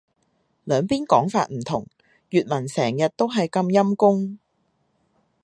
兩邊講法唔同。粵文成日都係咁陰功